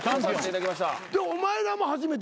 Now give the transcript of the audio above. でお前らも初めて。